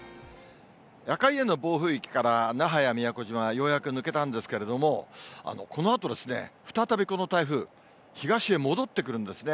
赤い円の暴風域から那覇や宮古島はようやく抜けたんですけれども、このあと、再び、この台風、東へ戻ってくるんですね。